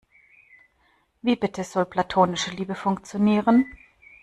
Wie bitte soll platonische Liebe funktionieren?